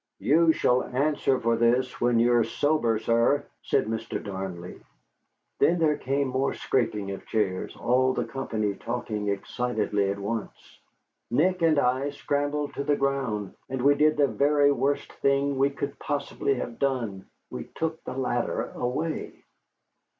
"You shall answer for this, when you are sober, sir," said Mr. Darnley. Then there came more scraping of chairs, all the company talking excitedly at once. Nick and I scrambled to the ground, and we did the very worst thing we could possibly have done, we took the ladder away.